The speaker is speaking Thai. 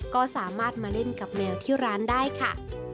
ก็สามารถมาเล่นกับแมวที่ร้านได้ค่ะ